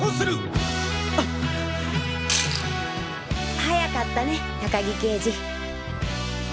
早かったね高木刑事。